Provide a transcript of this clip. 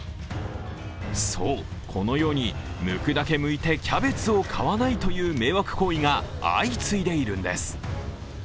そう、このようにむくだけむいてキャベツを買わないという迷惑行為が相次いでいるんです。